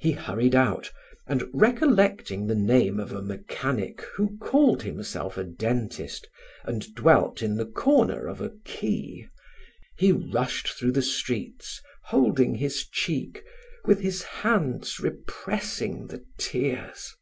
He hurried out, and recollecting the name of a mechanic who called himself a dentist and dwelt in the corner of a quay, he rushed through the streets, holding his cheek with his hands repressing the tears.